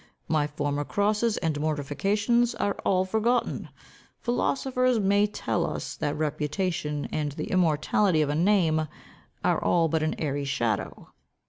My former crosses and mortifications are all forgotten. Philosophers may tell us, that reputation, and the immortality of a name, are all but an airy shadow.